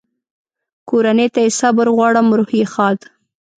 کورنۍ ته یې صبر غواړم، روح یې ښاد.